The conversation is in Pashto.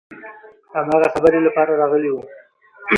هماغه خبرې لپاره راغلي وو.